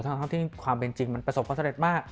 ทั้งที่ความเป็นจริงมันประสบความสำเร็จมาก